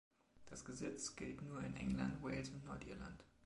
Das Gesetz gilt nur in England, Wales und Nordirland.